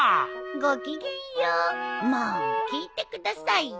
ご機嫌よう。も聞いてくださいよ。